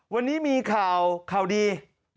วันนี้มีข่าวดี